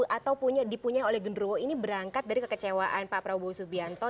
atau dipunyai oleh genruwo ini berangkat dari kekecewaan pak prabowo subianto